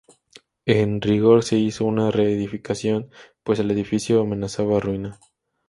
En rigor se hizo una reedificación, pues el edificio amenazaba ruina.